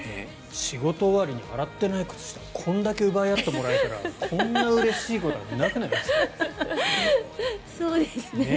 仕事終わりに洗っていない靴下をこんだけ奪い合ってもらえたらこんなうれしいことはなくないですか？